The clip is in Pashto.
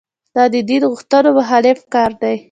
دا د دین غوښتنو مخالف کار دی.